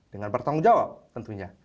dengan bertanggung jawab tentunya